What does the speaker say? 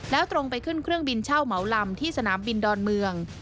แล้วตรงไปขึ้นเครื่องบินเช่าเหมาลำที่สนามบินดอนเมือง